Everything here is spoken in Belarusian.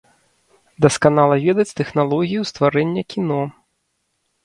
Дасканала ведаць тэхналогію стварэння кіно.